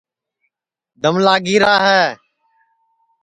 دم لاگی را ہے